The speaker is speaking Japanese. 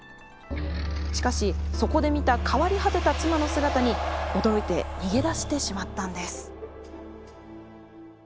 しかしそこで見た変わり果てた妻の姿に驚いて逃げ出してしまったんです。